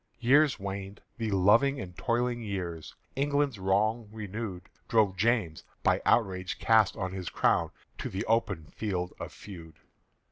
Years waned, the loving and toiling years: Till England's wrong renewed Drove James, by outrage cast on his crown, To the open field of feud.